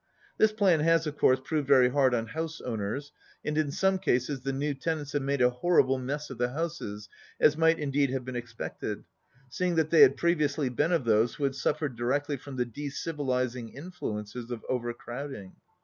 This plan has, of course, proved very hard on house owners, and in some cases the new tenants have made a hor rible mess of the houses, as might, indeed, have been expected, seeing that they had previously been of those who had suffered directly from the decivilizing influences of overcrowding.